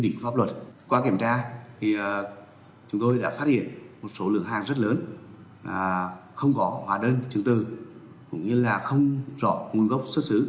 sinh năm một nghìn chín trăm chín mươi bốn làm chủ và phát hiện số lượng lớn thực phẩm không rõ nguồn gốc